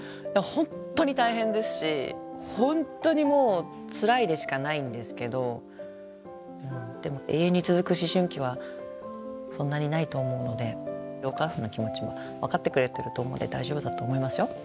本当に大変ですし本当にもうつらいでしかないんですけどでも永遠に続く思春期はそんなにないと思うのでお母さんの気持ちも分かってくれてると思うんで大丈夫だと思いますよ。